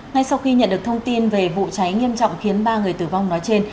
ngay sau khi nhận được thông tin về vụ cháy nghiêm trọng khiến ba người tử vong nói trên